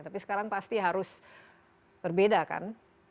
tapi sekarang pasti harus berbeda kan